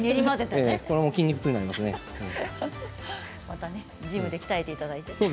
またジムで鍛えていただいて。